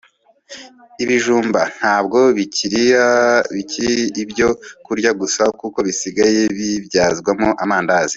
Ibijumba ntabwo bikiri ibyo kurya gusa kuko bisigaye bibyazwa amandazi